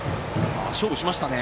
勝負してきましたね。